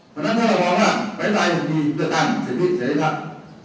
เพราะฉะนั้นถ้าเราบอกว่าไฟตายอยู่ที่เกือบกลางสินวิทยาลักษณ์